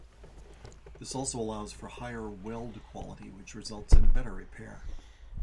This also allows for higher weld quality which results in a better repair.